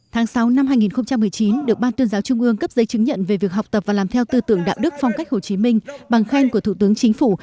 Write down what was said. tháng sáu năm hai nghìn một mươi chín được ban tuyên giáo trung ương cấp giấy chứng nhận về việc học tập và làm theo tư tưởng đạo đức phong cách hồ chí minh bằng khen của thủ tướng chính phủ